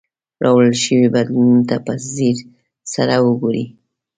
راوړل شوي بدلونونو ته په ځیر سره وګورئ.